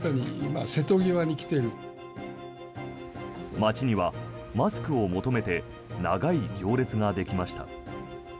街にはマスクを求めて長い行列ができました。